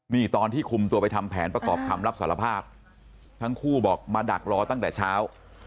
นี่ตอนที่คุมตัวไปทำแผนประกอบคำรับสารภาพทั้งคู่บอกมาดักรอตั้งแต่เช้า